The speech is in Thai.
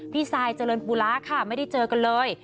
ซายเจริญปุระค่ะไม่ได้เจอกันเลย